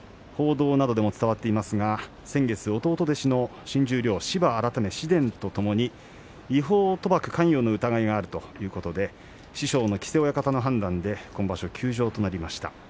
報道などでも伝わっていますが先月、弟弟子の新十両、芝改め紫雷とともに違法賭博関与の疑いがあるということで師匠の木瀬親方の判断で今場所休場となりました。